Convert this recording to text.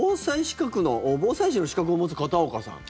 防災士の資格を持つ片岡さん。